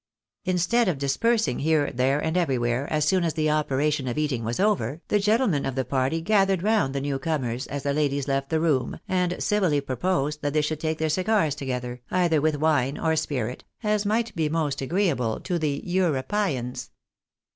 Instead of dispersing here, there, and everywhere, as soon as the operation of eating was over, the gentlemen of the party gathered round the new comers, as the ladies left the room, and civilly proposed that they should take their cigars together, either with wine or spirits, as might be most agreeable to the " Europyans."